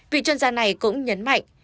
vị trân gia này cũng nhấn mạnh